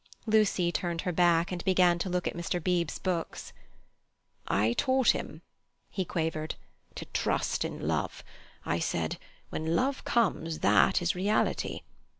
Lucy turned her back, and began to look at Mr. Beebe's books. "I taught him," he quavered, "to trust in love. I said: 'When love comes, that is reality.